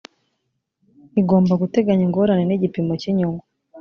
igomba guteganya ingorane n’igipimo cy’inyungu